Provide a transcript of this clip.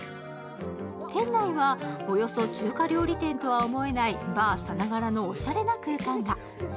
店内は、およそ中華料理店とは思えない、バーさながらのおしゃれな空間が。